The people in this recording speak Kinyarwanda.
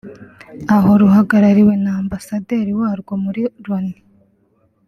aho ruhagarariwe na Ambasaderi warwo muri Loni